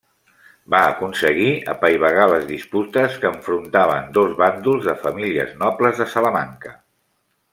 Va aconseguir apaivagar les disputes que enfrontaven dos bàndols de famílies nobles de Salamanca.